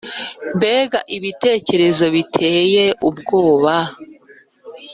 mbega ibitekerezo biteye ubwoba,